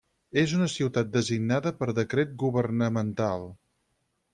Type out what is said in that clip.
És una ciutat designada per decret governamental.